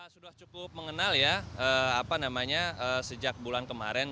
sudah cukup mengenal ya apa namanya sejak bulan kemarin